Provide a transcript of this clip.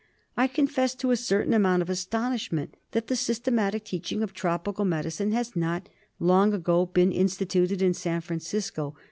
I confess to a certain amount of astonishment that the systematic teaching of tropical medicine has not long ago been instituted in San Francisco.